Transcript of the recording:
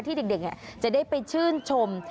ที่เด็กจะได้ไปชื่นชม